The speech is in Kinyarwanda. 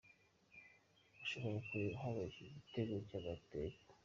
Ushobora kureba hano iki gitego cy'amateka.